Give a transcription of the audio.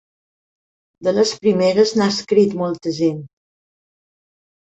De les primeres n'ha escrit molta gent.